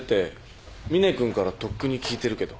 峰君からとっくに聞いてるけど？